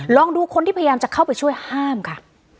ลองดูคนที่พยายามจะเข้าไปช่วยห้ามค่ะ